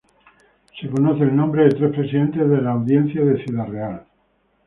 Se conoce el nombre de tres presidentes de la Audiencia de Ciudad Real.